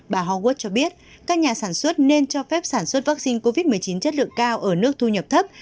bà huad cho biết các nhà sản xuất nên cho phép sản xuất vaccine covid một mươi chín chất lượng cao ở nước thu nhập thấp